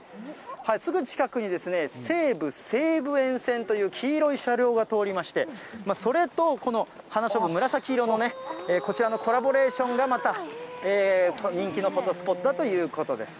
すぐ近くに西武西武園線という、黄色い車両が通りまして、それとこの花しょうぶ、紫色のね、こちらのコラボレーションがまた人気のフォトスポットだということです。